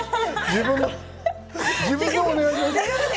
自分のでお願います。